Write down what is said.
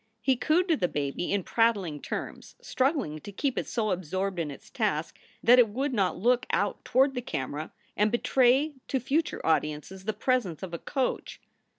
He cooed to the baby in prattling terms, struggling to keep it so absorbed in its task that it would not look out toward the camera and betray to future audiences the presence of a coach.